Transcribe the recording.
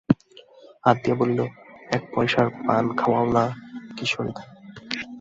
হাত দিয়া বলিল, এক পযসার পান খাওয়াও না কিশোরীদা?